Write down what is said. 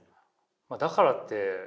だからって